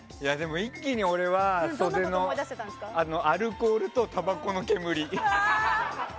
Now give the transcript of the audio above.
一気に俺は、袖のアルコールとたばこの煙。